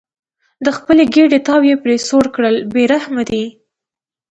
د خپلې ګېډې تاو یې پرې سوړ کړل بې رحمه دي.